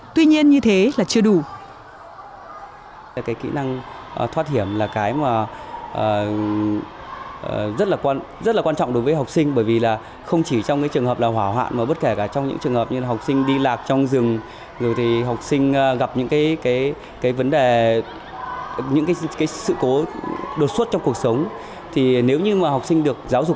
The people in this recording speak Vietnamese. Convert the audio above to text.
tuy nhiên như thế là chưa đủ